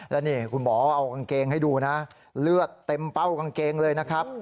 แล้วนี่คุณหมอเอากางเกงให้ดูนะเลือดเต็มเป้ากางเกงเลยนะครับ